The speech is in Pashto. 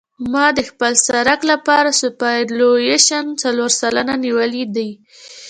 ما د خپل سرک لپاره سوپرایلیویشن څلور سلنه نیولی دی